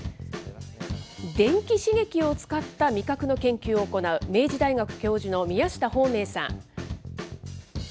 電気刺激を使った味覚の研究を行う明治大学教授の宮下芳明さん。